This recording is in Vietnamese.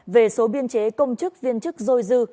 về số biên chế công chức viên chức dôi dư